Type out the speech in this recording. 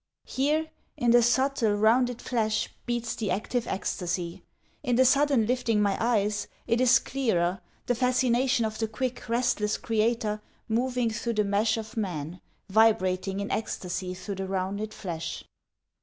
Here in the subtle, rounded flesh Beats the active ecstasy. In the sudden lifting my eyes, it is clearer, The fascination of the quick, restless Creator moving through the mesh Of men, vibrating in ecstasy through the rounded flesh.